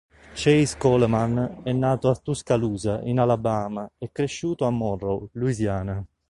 Chase Coleman è nato a Tuscaloosa, in Alabama e cresciuto a Monroe, Louisiana.